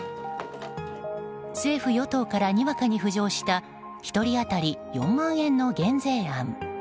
政府・与党からにわかに浮上した１人当たり４万円の減税案。